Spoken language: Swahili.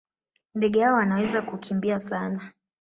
Ndege hawa wanaweza kukimbia sana.